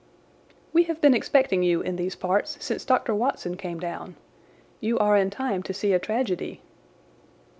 "We have been expecting you in these parts since Dr. Watson came down. You are in time to see a tragedy."